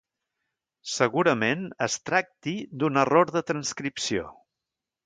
Segurament es tracti d'un error de transcripció.